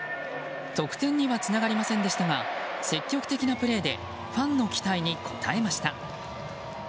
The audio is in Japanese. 得点にはつながりませんでしたが積極的なプレーでファンの期待に応えました。